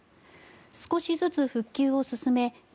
少しずつ復旧を進め